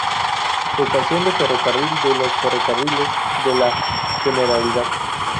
Estación de ferrocarril de los Ferrocarriles de la Generalidad.